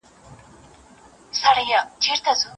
د زلفو عطر دي د خیال له شبستانه نه ځي